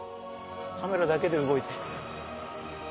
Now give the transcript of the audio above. カメラだけで動いて。